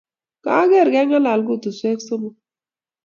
Ang'er keng'alan koteswek somok